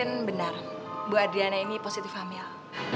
tadi darling udah aku nonton udahaisi hei